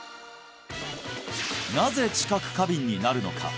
なぜ知覚過敏になるのか？